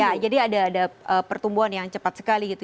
ya jadi ada pertumbuhan yang cepat sekali gitu